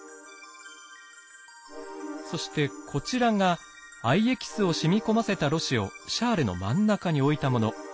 そしてこちらが藍エキスを染み込ませたろ紙をシャーレの真ん中に置いたもの。